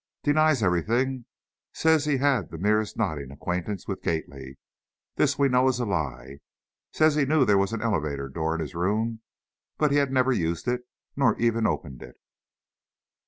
"Denies everything. Says he had the merest nodding acquaintance with Gately, this we know is a lie! says he knew there was an elevator door in his room, but he had never used it, nor even opened it.